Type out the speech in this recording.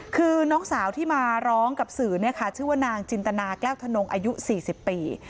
คือน้องสาวที่มาร้องกับสื่อชื่อว่านางจินตนาแก้วธนงอายุ๔๐ปี